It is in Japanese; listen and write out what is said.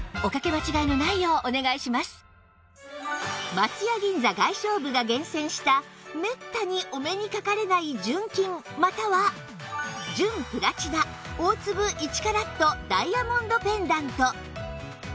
松屋銀座外商部が厳選しためったにお目にかかれない純金または純プラチナ大粒１カラットダイヤモンドペンダント